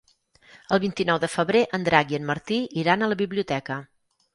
El vint-i-nou de febrer en Drac i en Martí iran a la biblioteca.